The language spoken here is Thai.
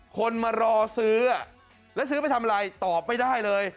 คนมารอซื้อแล้วซื้อไปทำอะไรตอบไม่ได้เลย